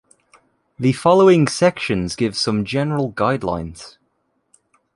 The following sections give some general guidelines.